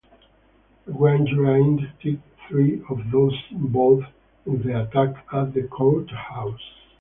A grand jury indicted three of those involved in the attack at the courthouse.